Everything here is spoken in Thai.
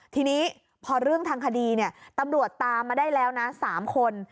ทีนี้พอเรื่องทางคดีตำรวจตามมาได้แล้วนะ๓คน